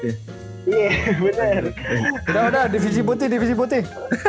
udah udah divisi putih divisi putih